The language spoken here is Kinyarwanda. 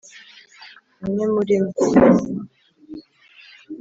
imwe murimwe yatinze